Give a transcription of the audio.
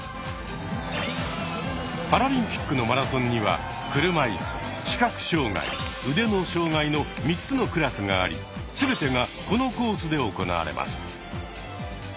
パラリンピックのマラソンには車いす視覚障害腕の障害の３つのクラスがあり全てがこのコースで行われます。